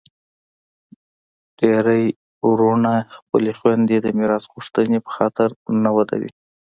ډیری وروڼه خپلي خویندي د میراث غوښتني په خاطر نه ودوي.